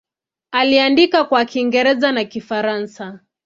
Aliandika kwa Kiingereza na Kifaransa.